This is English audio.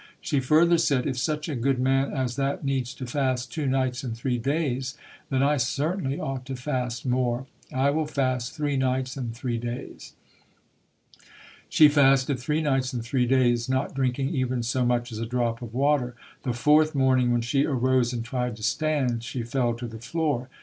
She further said, "If such a good man as that needs to fast two nights and three days, then I certainly ought to fast more. I will fast three nights and three days". She fasted three nights and three days, not drinking even so much as a drop of water. The fourth morning when she arose and tried to stand, she fell to the floor.